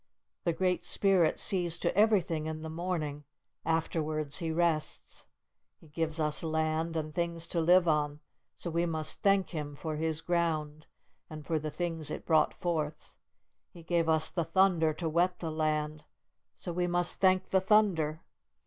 The Great Spirit sees to everything in the morning, afterwards he rests. He gives us land and things to live on, so we must thank Him for His ground, and for the things it brought forth. He gave us the thunder to wet the land, so we must thank the thunder.